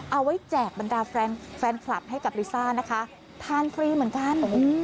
แจกบรรดาแฟนแฟนคลับให้กับลิซ่านะคะทานฟรีเหมือนกัน